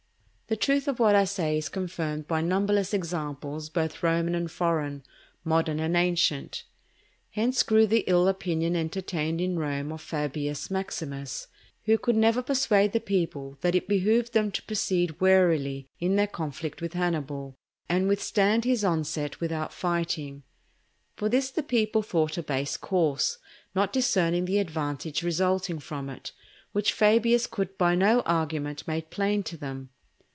The truth of what I say is confirmed by numberless examples both Roman and foreign, modern and ancient. Hence grew the ill opinion entertained in Rome of Fabius Maximus, who could never persuade the people that it behoved them to proceed warily in their conflict with Hannibal, and withstand his onset without fighting. For this the people thought a base course, not discerning the advantage resulting from it, which Fabius could by no argument make plain to them.